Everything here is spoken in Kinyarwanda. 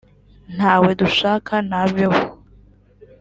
ntawe dushaka naveho’